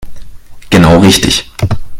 Genau richtig.